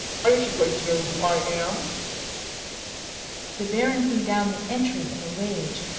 I should like to know who I am?" The Baron flew down the entry in a rage.